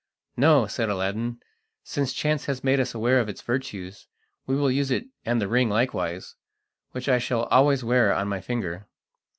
"No," said Aladdin, "since chance has made us aware of its virtues, we will use it and the ring likewise, which I shall always wear on my finger."